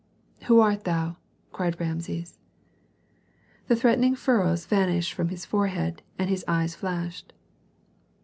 "Who art thou?" cried Rameses. The threatening furrows vanished from his forehead and his eyes flashed.